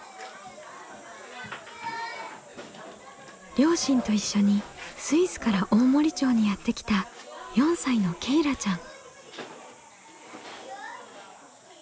両親と一緒にスイスから大森町にやって来た４歳のけいらちゃん。